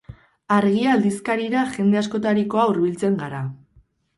Argia aldizkarira jende askotarikoa hurbiltzen gara.